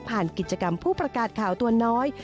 กิจกรรมผู้ประกาศข่าวตัวน้อย